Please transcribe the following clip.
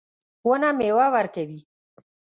ونه میوه ورکوي